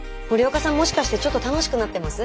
もしかしてちょっと楽しくなってます？